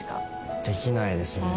できないですね。